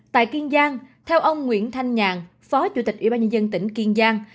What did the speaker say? tại kiên giang theo ông nguyễn thanh nhàn phó chủ tịch ủy ban nhân dân tỉnh kiên giang